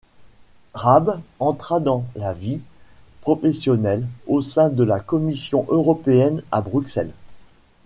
Rabe entra dans la vie professionnelle au sein de la Commission européenne à Bruxelles.